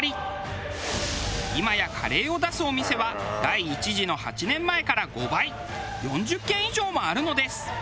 今やカレーを出すお店は第１次の８年前から５倍４０軒以上もあるのです。